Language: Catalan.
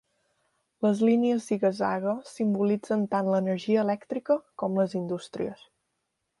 Les línies ziga-zaga simbolitzen tant l'energia elèctrica com les indústries.